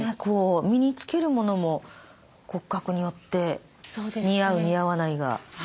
身に着けるものも骨格によって似合う似合わないが。